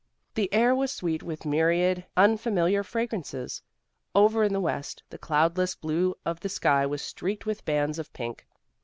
The air was sweet with myriad unfamiliar fragrances. Over in the west, the cloudless blue of the sky was streaked with bands of pink.